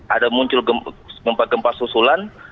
ada muncul gempa gempa susulan